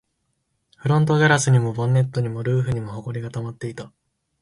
フロントガラスにも、ボンネットにも、ルーフにも埃が溜まっていた